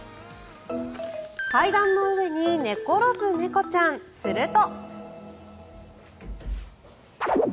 階段の上に寝転ぶ猫ちゃんすると。